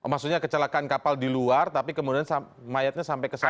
maksudnya kecelakaan kapal di luar tapi kemudian mayatnya sampai ke sana